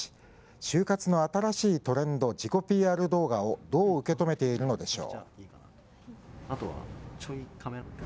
就活の新しいトレンド、自己ＰＲ動画を、どう受け止めているのでしょう。